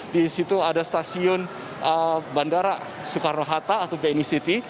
disitu ada stasiun bandara soekarno hatta atau bni city